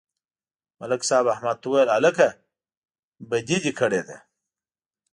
ملک صاحب احمد ته وویل: هلکه، بدي دې کړې ده.